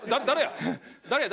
誰や？